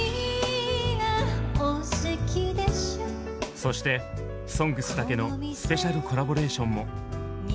そして「ＳＯＮＧＳ」だけのスペシャルコラボレーションも！